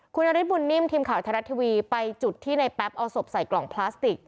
คุณนฤทธบุญนิ่มทีมข่าวไทยรัฐทีวีไปจุดที่ในแป๊บเอาศพใส่กล่องพลาสติก